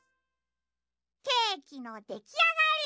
ケーキのできあがり。